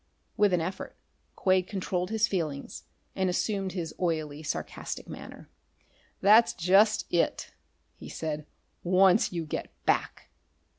With an effort Quade controlled his feelings and assumed his oily, sarcastic manner. "That's just it," he said: "'once you get back!'